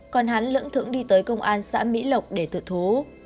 còn hắn lưỡng thượng đi tới công an xã mỹ lộc để tự thú